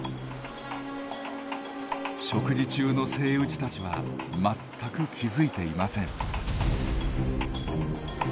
食事中のセイウチたちは全く気付いていません。